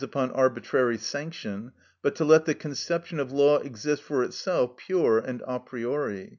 _, upon arbitrary sanction, but to let the conception of law exist for itself pure and a priori.